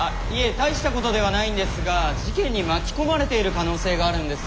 大したことではないんですが事件に巻き込まれている可能性があるんです。